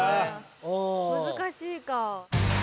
難しいか。